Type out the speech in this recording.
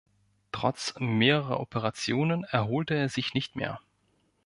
Trotz mehrerer Operationen erholte er sich nicht mehr.